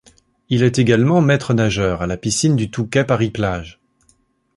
Il est également maître-nageur à la Piscine du Touquet-Paris-Plage.